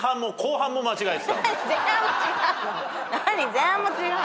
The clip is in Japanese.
前半も違うの？